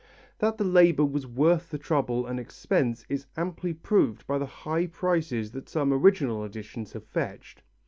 That the labour was worth the trouble and expense is amply proved by the high prices that some original editions have fetched.